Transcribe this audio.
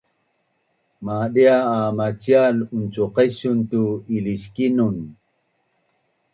madia a macial uncuqesun tu iniliskinun